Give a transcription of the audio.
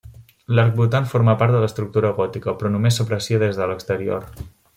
L'arcbotant forma part de l'estructura gòtica, però només s'aprecia des de l'exterior.